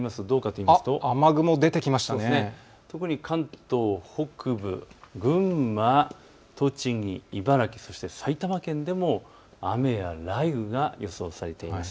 特に関東北部群馬、栃木、茨城、そして埼玉県でも雨や雷雨が予想されています。